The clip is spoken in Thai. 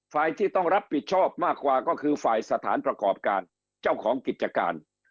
ฝ่ายที่ต้องรับผิดชอบมากกว่าก็คือฝ่ายสถานประกอบการเจ้าของกิจการ